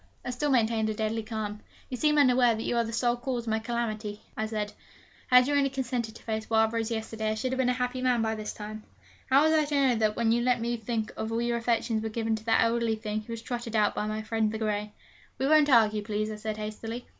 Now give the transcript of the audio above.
I still maintained a deadly calm. 'You seem unaware that you are the sole cause of my calamity,' I said. 'Had you only consented to face Wild Rose yesterday, I should have been a happy man by this time!' 'How was I to know that, when you let me think all your affections were given to the elderly thing who is trotted out by my friend the grey?' 'We won't argue, please,' I said hastily.